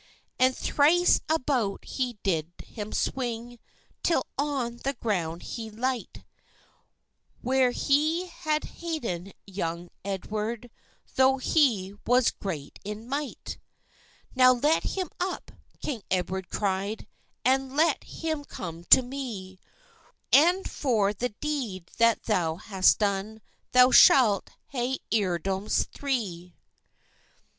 And thrice about he did him swing, Till on the ground he light, Where he has halden young Edward, Tho' he was great in might. "Now let him up," king Edward cried, "And let him come to me; And for the deed that thou hast done, Thou shalt ha'e earldomes three!"